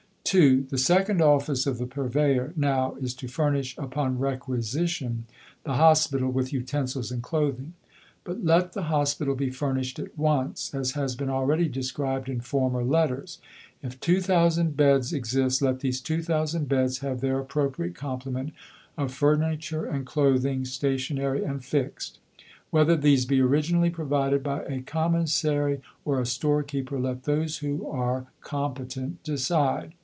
(2) The second office of the Purveyor now is to furnish, upon requisition, the Hospital with utensils and clothing. But let the Hospital be furnished at once, as has been already described in former letters. If 2000 beds exist, let these 2000 beds have their appropriate complement of furniture and clothing, stationary and fixed. Whether these be originally provided by a Commissary or a storekeeper, let those who are competent decide.